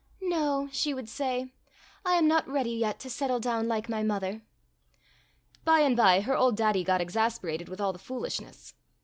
'^No," she would say, 'T am not ready yet to settle down like my mother." By and by her old daddy got exasperated with all the foolishness.